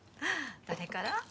誰から？